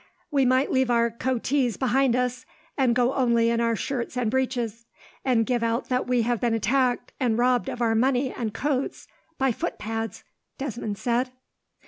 "We might leave our coatees behind us, and go only in our shirts and breeches; and give out that we had been attacked, and robbed of our money and coats by footpads," Desmond said.